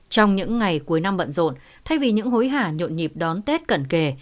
trong những ngày cuối năm bận rộn thay vì những hối hả nhộn nhịp đón tết cận kề